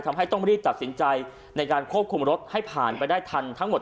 ทำให้ต้องรีบตัดสินใจในการควบคุมรถให้ผ่านไปได้ทันทั้งหมด